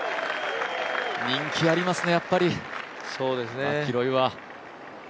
人気ありますね、やっぱりマキロイは。